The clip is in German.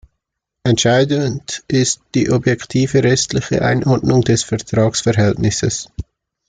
Entscheidend ist die objektive rechtliche Einordnung des Vertragsverhältnisses.